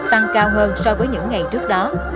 tăng cao hơn so với những ngày trước đó